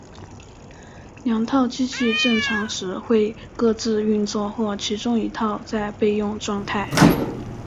两套机器正常时会各自运作或其中一套在备用状态。